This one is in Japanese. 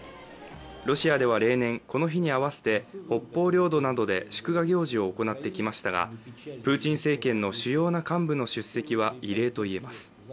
ロシアでは例年、この日に合わせて北方領土などで祝賀行事を行ってきましたがプーチン政権の主要な幹部の出席は異例といえます。